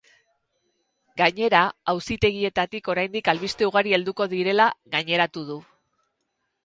Gainera, auzitegietatik oraindik albiste ugari helduko direla gaineratu du.